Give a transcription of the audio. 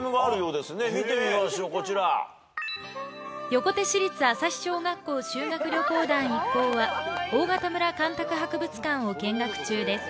「横手市立旭小学校修学旅行団一行は大潟村干拓博物館を見学中です」